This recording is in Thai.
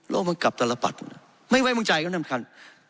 โลกมันกลับตลปัดไม่ไว้บังใจครับท่านท่านท่าน